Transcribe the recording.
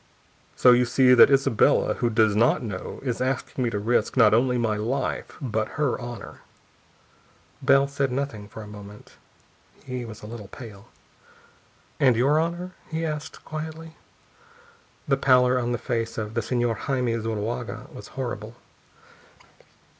So you see that Isabella, who does not know, is asking me to risk, not only my life, but her honor." Bell said nothing for a moment. He was a little pale. "And your honor?" he asked quietly. The pallor on the face of the Señor Jaime Zuloaga was horrible.